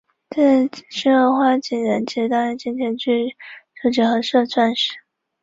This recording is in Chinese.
这需要花几年及大量金钱去收集合适的钻石。